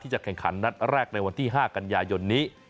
จะแข่งขันนัดแรกในวันที่๕กันยายนนี้